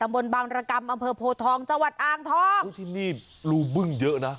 ตำบลบางรกรรมอำเภอโพทองจวัดอางท้องที่นี่รูเบิ้งเยอะนะ